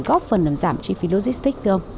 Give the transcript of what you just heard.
góp phần làm giảm chi phí logistic không